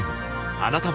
あなたも